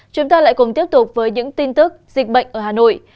chúng ta lại cùng tiếp tục với những tin tức dịch bệnh ở hà nội